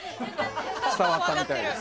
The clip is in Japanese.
伝わったみたいです。